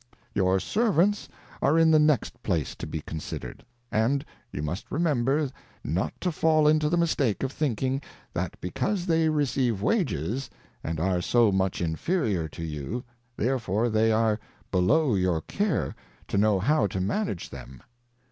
Your Servants are in the next place to be considered ; and j'ou must remember not to fall into the mistake of thinking, that because they receive Wages, and are so much Inferiour to you, therefore they are below your Care to know how to manage them. 24 Advice to a Daughter. them.